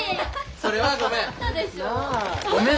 それはごめん。